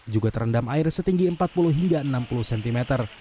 juga terendam air setinggi empat puluh hingga enam puluh cm